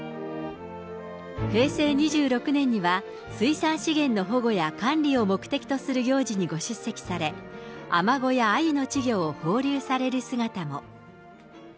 平成２６年には水産資源の保護や管理を目的とする行事にご出席され、アマゴやアユの稚魚を放流される姿も。